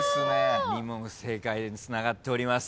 ２問不正解でもつながっております。